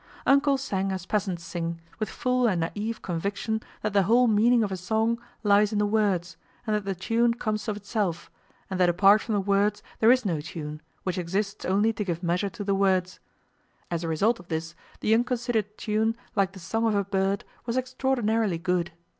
"Uncle" sang as peasants sing, with full and naïve conviction that the whole meaning of a song lies in the words and that the tune comes of itself, and that apart from the words there is no tune, which exists only to give measure to the words. As a result of this the unconsidered tune, like the song of a bird, was extraordinarily good.